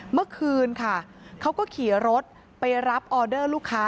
เมื่อคืนค่ะเขาก็ขี่รถไปรับออเดอร์ลูกค้า